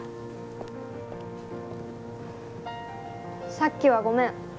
さっきはごめん。